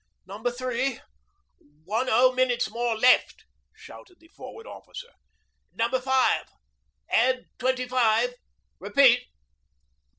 'Number Three, one oh minutes more left!' shouted the Forward Officer. 'Number Five, add twenty five repeat.'